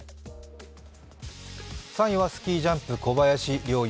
３位はスキージャンプ小林陵